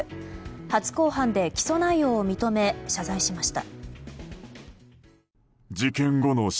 初公判で起訴内容を認め謝罪しました。